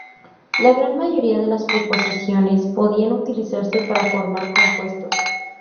La gran mayoría de las preposiciones podían utilizarse para formar compuestos.